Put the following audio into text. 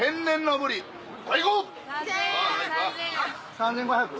３５００。